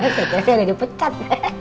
saya kerasa lagi pecat